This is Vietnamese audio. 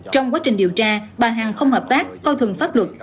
trong quá trình điều tra bà hằng không hợp tác coi thường pháp luật